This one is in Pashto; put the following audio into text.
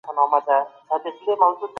ماشومان له لويانو څخه بېلا بېلې پوښتني کوي.